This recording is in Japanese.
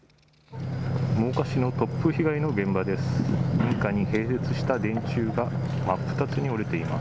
真岡市の突風被害の現場です。